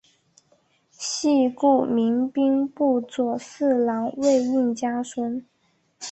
系故明兵部左侍郎魏应嘉孙。